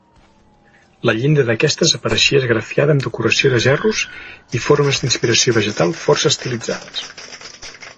La llinda d'aquestes apareixia esgrafiada amb decoració de gerros i formes d'inspiració vegetal força estilitzades.